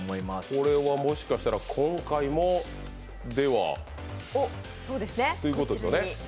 これはもしかしたら今回も、ということですかね。